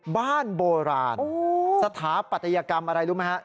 บ้านโบราณสถาปัตยกรรมอะไรรู้ไหมฮะ